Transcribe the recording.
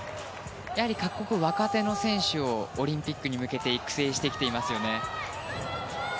各国若手の選手をオリンピックに向けて育成してきていますね。